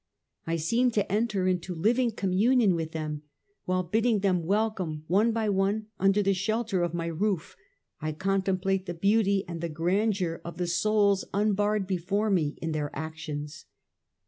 I seem to enter into living communion with them; while bidding them welcome one by one under the shelter of my roof, I contemplate the beauty and the grandeur of the souls unbared before me in their actions.